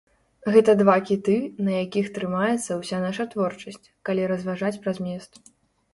Гэта два кіты, на якіх трымаецца ўся наша творчасць, калі разважаць пра змест.